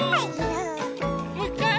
もういっかい？